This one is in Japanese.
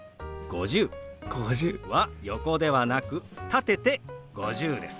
５０。は横ではなく立てて「５０」です。